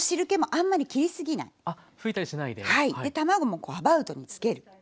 で卵もこうアバウトにつける。